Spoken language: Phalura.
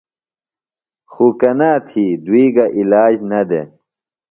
خوکنا تھیۡ، دُوئی گہ عِلاج نہ دےۡ۔